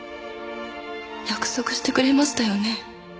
「約束してくれましたよね？」